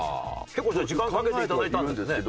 結構じゃあ時間かけていただいたんですね。